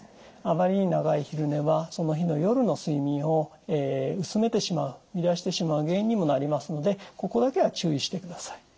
あまりに長い昼寝はその日の夜の睡眠を薄めてしまう乱してしまう原因にもなりますのでここだけは注意してください。